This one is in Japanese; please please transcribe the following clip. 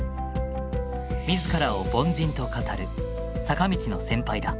自らを凡人と語る坂道の先輩だ。